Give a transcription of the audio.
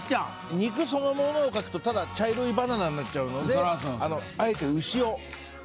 肉そのものを描くとただ茶色いバナナになっちゃうのであえて牛を。